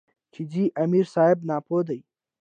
چې ځه امیر صېب ناپوهَ دے ـ